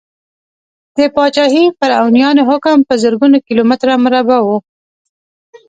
د پاچاهي فرعونیانو حکم په زرګونو کیلو متره مربع و.